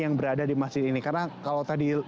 yang berada di masjid ini karena kalau tadi